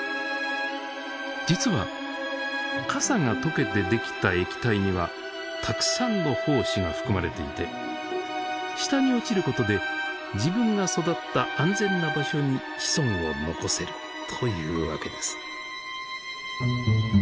実は傘が溶けてできた液体にはたくさんの胞子が含まれていて下に落ちることで自分が育った安全な場所に子孫を残せるというわけです。